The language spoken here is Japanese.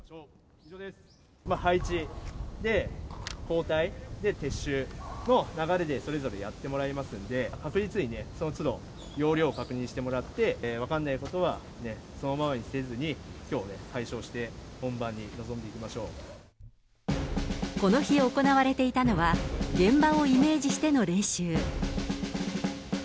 配置、交代、撤収の流れで、それぞれやってもらいますんで、確実にそのつど要領を確認してもらって、分からないことはそのままにせずに、きょう解消して、この日、行われていたのは、現場をイメージしての練習。